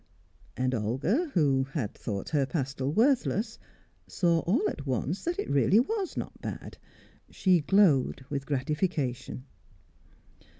And Olga, who had thought her pastel worthless, saw all at once that it really was not bad; she glowed with gratification.